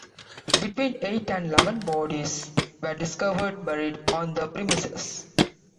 Between eight and eleven bodies were discovered buried on the premises.